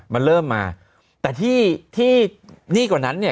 มันเริ่มมาแต่ที่ที่ดีกว่านั้นเนี่ย